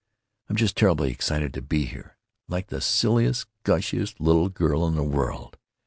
I'm just terribly excited to be here, like the silliest gushiest little girl in the world.